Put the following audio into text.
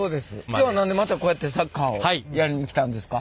今日は何でまたこうやってサッカーをやりに来たんですか？